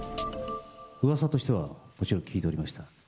うわさとしては、もちろん聞いておりました。